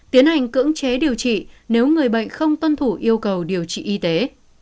tiến hành cưỡng chế điều trị nếu người bệnh không tuân thủ yêu cầu điều trị y tế